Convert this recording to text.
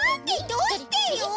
どうしてよ？